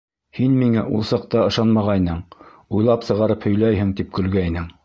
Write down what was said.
Һин миңә ул саҡта ышанмағайның, уйлап сығарып һөйләйһең, тип көлгәйнең.